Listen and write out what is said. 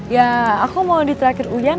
ya aku mau ditraktir uyan